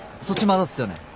そっちまだっすよね。